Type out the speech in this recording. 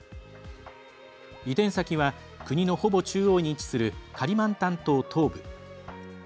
移転先は国のほぼ中央に位置するカリマンタン島東部。